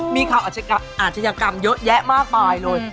มีข่าวอาชญากรรมเยอะแยะมากมายเลย